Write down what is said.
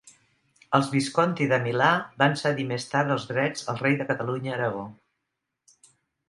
Els Visconti de Milà van cedir més tard els drets al rei de Catalunya-Aragó.